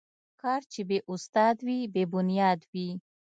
کار چې بې استاد وي، بې بنیاد وي.